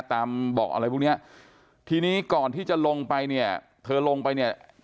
บอกอะไรพวกเนี้ยทีนี้ก่อนที่จะลงไปเนี่ยเธอลงไปเนี่ย